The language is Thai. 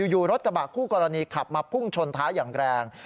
อยู่รถกระบะคู่กรณีขับมาพุ่งชนท้ายอย่างแรง